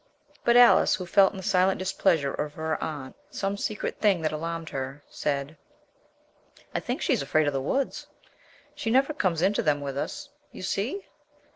But Alice, who felt in the silent displeasure of her aunt some secret thing that alarmed her, said: "I think she's afraid of the woods. She never comes into them with us, you see."